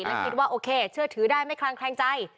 และคิดว่าโอเคเชื่อถือได้ไม่คลางแคลงใจ